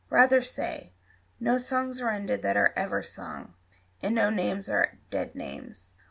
Rather say No songs are ended that are ever sung, And that no names are dead names.